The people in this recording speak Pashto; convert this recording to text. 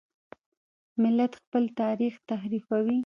ملت خپل تاریخ تحریفوي.